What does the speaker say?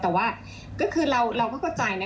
แต่ว่าก็คุยกับเค้าก็กระใจนะ